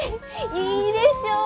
いいでしょ？